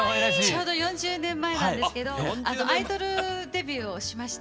ちょうど４０年前なんですけどアイドルデビューをしまして。